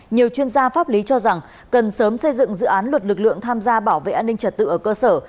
nhiều chuyên gia pháp lý cho rằng cần sớm xây dựng dự án luật lực lượng tham gia bảo vệ an ninh trật tự ở cơ sở